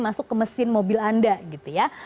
masuk ke mesin mobil anda gitu ya